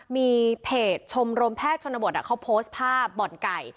มีเพจชมรมแพทย์ชนบทเขาโพสต์ภาพบ่อนไก่